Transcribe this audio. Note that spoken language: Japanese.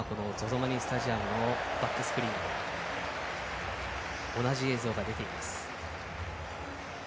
マリンスタジアムのバックスクリーンに同じ映像が出ています。